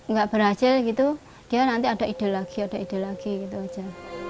nggak berhasil gitu dia nanti ada ide lagi ada ide lagi gitu aja